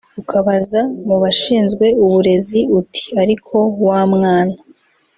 ukabaza mu bashinzwe uburezi uti ariko wa mwana